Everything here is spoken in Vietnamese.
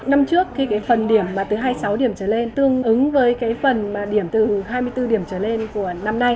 năm trước cái phần điểm từ hai mươi sáu điểm trở lên tương ứng với cái phần điểm từ hai mươi bốn điểm trở lên của năm nay